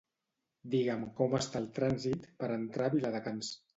Digue'm com està el trànsit per entrar a Viladecans.